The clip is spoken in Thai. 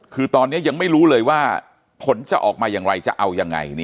คือตอนนี้ยังไม่รู้เลยว่าผลจะออกมาอย่างไรจะเอายังไง